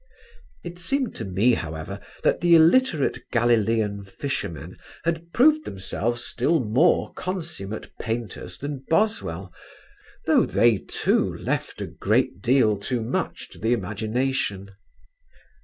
It seemed to me, however, that the illiterate Galilean fishermen had proved themselves still more consummate painters than Boswell, though they, too, left a great deal too much to the imagination.